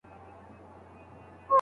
ماوردي رحمه الله پخپل تفسير کي ليکلي دي.